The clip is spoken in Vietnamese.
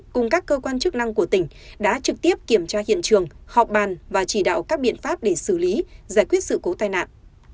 cùng các cơ quan chức năng của tỉnh đã trực tiếp kiểm tra hiện trường họp bàn và chỉ đạo các biện pháp để xử lý giải quyết sự cố tai nạn